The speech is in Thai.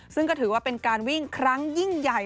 ซึ่งก็ถือว่าเป็นการวิ่งครั้งยิ่งใหญ่